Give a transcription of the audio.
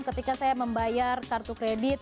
ketika saya membayar kartu kredit